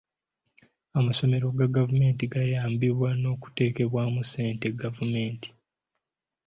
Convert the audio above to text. Amasomero ga gavumenti gayambibwa n'okuteekebwamu ssente gavumenti.